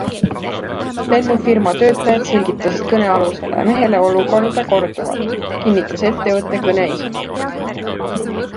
Lennufirma töötajad selgitasid kõnealusele mehele olukorda korduvalt, kinnitas ettevõtte kõneisik.